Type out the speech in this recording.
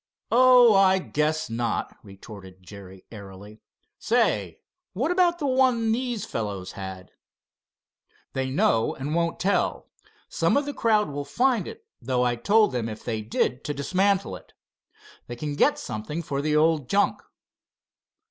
"Oh, I guess not," retorted Jerry airily. "Say, what about the one these fellows had?" "They know and won't tell. Some of crowd will find it, though I told them if they did to dismantle it. They can get something for the old junk."